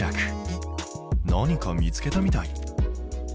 何か見つけたみたい。